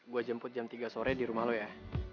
gue jemput jam tiga sore di rumah loh ya